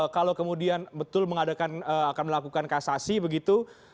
kalau kemudian betul akan melakukan kasasi begitu